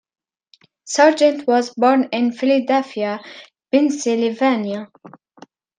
Sargent was born in Philadelphia, Pennsylvania.